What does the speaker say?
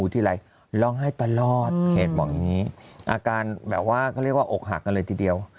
ทีไรร้องไห้ตลอดเขตบอกอย่างนี้อาการแบบว่าเขาเรียกว่าอกหักกันเลยทีเดียว